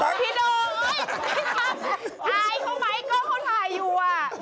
ไอ้เขาไหมเขาถ่ายอยู่